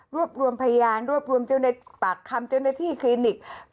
รวบรวมพยานรวบรวมบากคำเจ้าหน้าที่คลินิก